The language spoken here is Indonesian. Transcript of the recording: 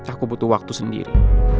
aku butuh waktu sendiri